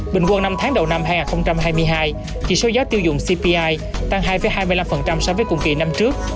bình quân năm tháng đầu năm hai nghìn hai mươi hai chỉ số giá tiêu dùng cpi tăng hai hai mươi năm so với cùng kỳ năm trước